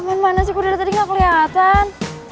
roman mana sih gue dari tadi gak keliatan